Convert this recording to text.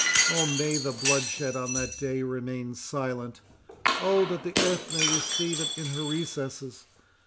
—Oh! may the blood shed on that day remain silent!—Oh! that the earth may receive it in her recesses!